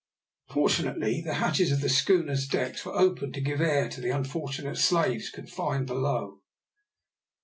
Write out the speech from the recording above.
Fortunately the hatches of the schooner's decks were open to give air to the unfortunate slaves confined below.